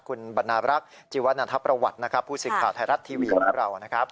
คุณบรรณารักษ์จิวนธประวัติผู้สินค้าไทยรัฐทีวีของเรานะครับ